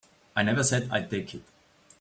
I never said I'd take it.